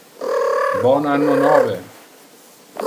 Bon anno nove